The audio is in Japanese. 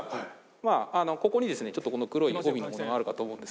まあ、ここにちょっとこの黒い帯のものがあるかと思うんです